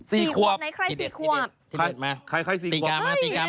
สี่ขวบใครสี่ขวบ